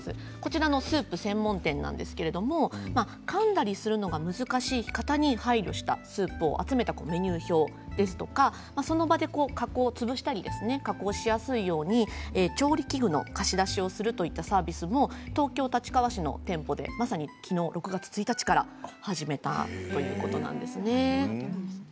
写真のスープ専門店なんですがかんだりするのが難しい方に配慮したスープを集めたメニュー表ですとかその場で潰したり加工しやすいように調理器具の貸し出しをするサービスも東京・立川市の店舗でまさに、きのう６月１日から始まったそうです。